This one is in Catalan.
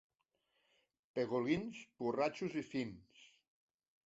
Pegolins, borratxos i fins.